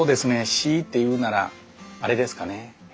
強いて言うならあれですかね。